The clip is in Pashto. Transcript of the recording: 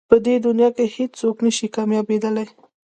په دې دنیا کې هېڅ څوک نه شي کامیابېدلی.